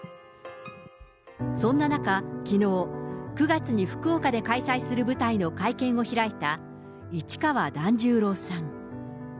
そんな中、きのう、９月で福岡で開催する舞台の会見を開いた、市川團十郎さん。